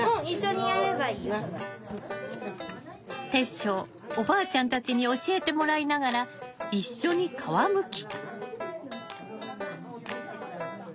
煌翔おばあちゃんたちに教えてもらいながら一緒に皮むき。